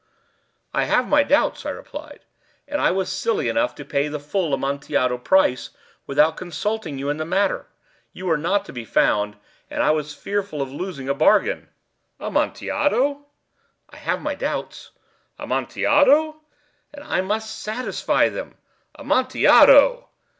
"I have my doubts," I replied; "and I was silly enough to pay the full Amontillado price without consulting you in the matter. You were not to be found, and I was fearful of losing a bargain." "Amontillado!" "I have my doubts." "Amontillado!" "And I must satisfy them." "Amontillado!"